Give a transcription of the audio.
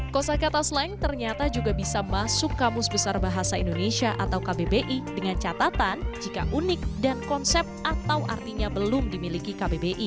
kosa kata slang ternyata juga bisa masuk kamus besar bahasa indonesia atau kbbi dengan catatan jika unik dan konsep atau artinya belum dimiliki kbbi